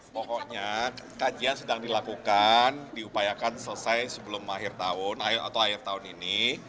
pokoknya kajian sedang dilakukan diupayakan selesai sebelum akhir tahun atau akhir tahun ini